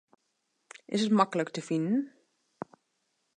Is it maklik te finen?